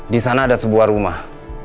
disana ada sebuah rumah